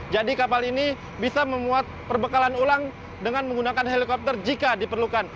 jadi kapal ini bisa memuat perbekalan ulang dengan menggunakan helikopter jika diperlukan